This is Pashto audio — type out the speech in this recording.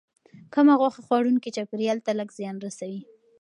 کم غوښه خوړونکي چاپیریال ته لږ زیان رسوي.